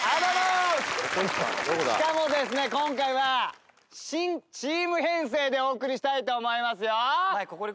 しかもですね、今回は、新チーム編成でお送りしたいと思いますよ。